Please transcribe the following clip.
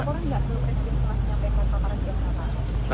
laporan tidak perlu resmi setelah penyampaian pak rasyid